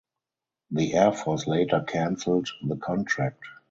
The Air Force later cancelled the contract.